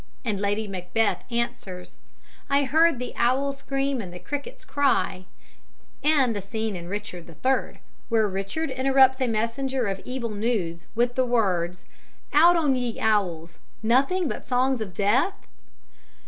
and Lady Macbeth answers: "I heard the owl scream and the crickets cry"; and the scene in Richard III, where Richard interrupts a messenger of evil news with the words: "Out on ye, owls! Nothing but songs of death?"